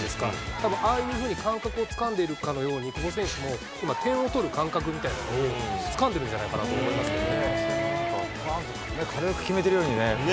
たぶん、ああいうふうに感覚をつかんでいるかのように、久保選手も、今、点を取る感覚みたいなのをつかんでるんじゃないかなと思軽く決めてるようにね。